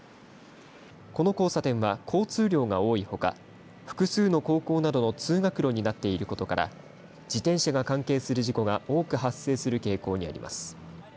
この交差点は交通量が多いほか複数の高校などの通学路になっていることから自転車が関係する事故が多く発生する傾向にあります。